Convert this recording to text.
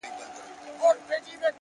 شكر چي ښكلا يې خوښــه ســوېده ـ